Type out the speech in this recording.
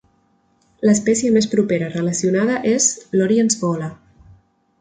"L'espècie més propera relacionada és l''Oriens gola'".